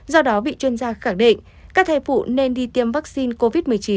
do đó vị chuyên gia khẳng định các thầy phụ nên đi tiêm vaccine covid một mươi chín